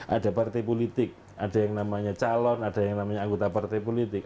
ada partai politik ada yang namanya calon ada yang namanya anggota partai politik